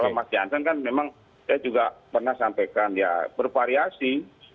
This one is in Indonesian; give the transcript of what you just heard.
mas jansen kan memang saya juga pernah sampaikan ya bervariasi